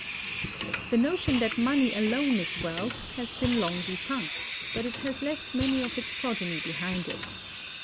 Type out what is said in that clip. The notion that money alone is wealth has been long defunct, but it has left many of its progeny behind it.